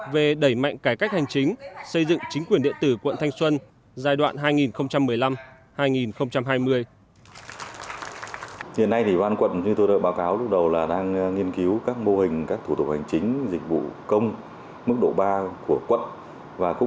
về đẩy mạnh cải cách hành chính xây dựng chính quyền điện tử quận thanh xuân